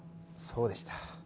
そうでした。